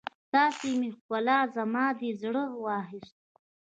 ستا مې ښکلا، زما دې زړه واخيستو